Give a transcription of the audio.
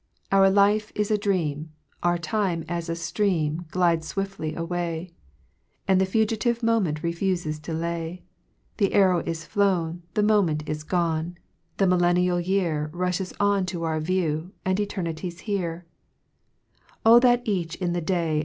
2 Ouj ( 23 ) 2 Our life is a dream, Our time, as a ftream Glides fwiftfy away, And the fugitive moment refufes to fay : The arrow is flown, The moment is gone, The millennial year Rallies on to our view, And eternity's here ! 3 O that each in the day